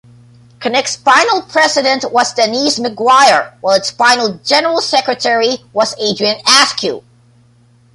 Connect's final president was Denise McGuire, while its final general secretary was Adrian Askew.